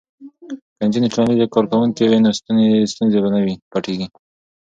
که نجونې ټولنیزې کارکوونکې وي نو ستونزې به نه پټیږي.